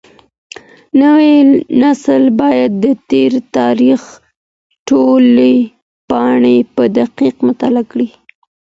نوی نسل بايد د تېر تاريخ ټولې پاڼې په دقت مطالعه کړي.